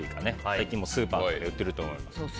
最近スーパーとかで売っていると思います。